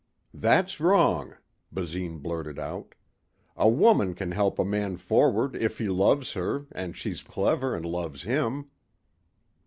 "That's wrong," Basine blurted out. "A woman can help a man forward if he loves her and she's clever and loves him."